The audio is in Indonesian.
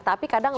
tapi kadang lupa